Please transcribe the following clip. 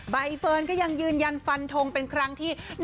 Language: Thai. ใบเฟิร์นก็ยังยืนยันฟันทงเป็นครั้งที่๑